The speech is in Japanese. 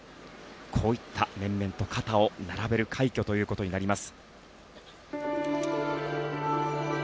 こういった面々と肩を並べる快挙となります。